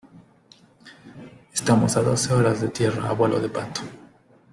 estamos a doce horas de tierra a vuelo de pato.